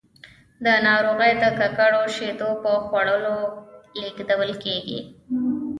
دا ناروغي د ککړو شیدو په خوړلو لیږدول کېږي.